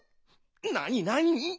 なになに？